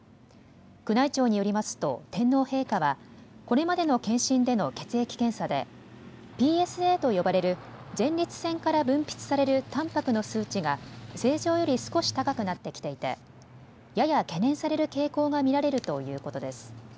宮内庁によりますと天皇陛下はこれまでの検診での血液検査でＰＳＡと呼ばれる前立腺から分泌されるたんぱくの数値が正常より少し高くなってきていてやや懸念される傾向が見られるということです。